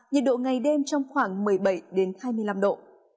nhiệt độ ngày đêm trong khoảng một mươi bảy hai mươi năm độ